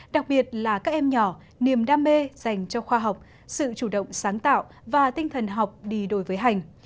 đặc biệt là các em nhỏ niềm đam mê dành cho khoa học sự chủ động sáng tạo và tinh thần học đi đôi với hành